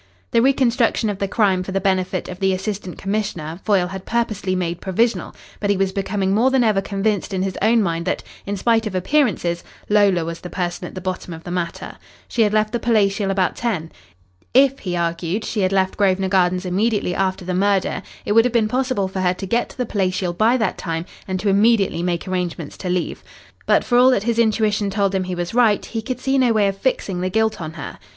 The reconstruction of the crime for the benefit of the Assistant Commissioner, Foyle had purposely made provisional, but he was becoming more than ever convinced in his own mind that, in spite of appearances, Lola was the person at the bottom of the matter. She had left the Palatial about ten. If, he argued, she had left Grosvenor Gardens immediately after the murder it would have been possible for her to get to the Palatial by that time and to immediately make arrangements to leave. But for all that his intuition told him he was right, he could see no way of fixing the guilt on her.